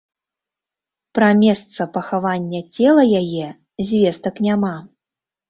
Пра месца пахавання цела яе звестак няма.